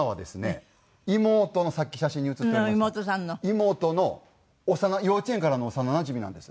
妹の幼稚園からの幼なじみなんです。